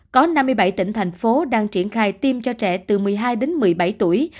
có năm mươi bảy tỉnh thành phố đang triển khai tiêm cho trẻ từ một mươi hai đến một mươi bảy tuổi